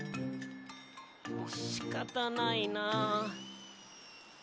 しかたないなあ。